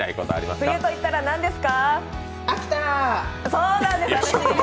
冬と言ったら何ですか？